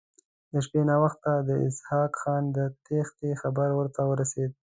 د شپې ناوخته د اسحق خان د تېښتې خبر ورته ورسېد.